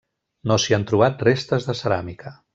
No s'hi han trobat restes de ceràmica.